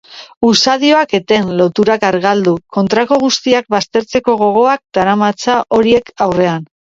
Usadioak eten, loturak argaldu, kontrako guztiak baztertzeko gogoak daramatza horiek aurrera.